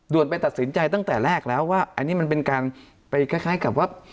ไปตัดสินใจตั้งแต่แรกแล้วว่าอันนี้มันเป็นการไปคล้ายกับว่า